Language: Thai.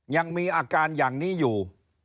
ยังมีอาการอย่างนี้อยู่